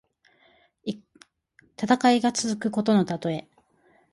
戦いが続くことのたとえ。